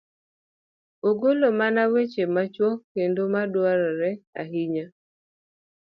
ogolo mana weche machuok kendo ma dwarore ahinya.